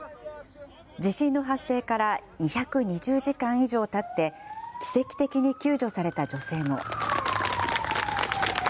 地震の発生から２２０時間以上たって、奇跡的に救助された女性も。